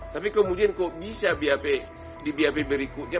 tapi kemudian kok bisa di bap berikutnya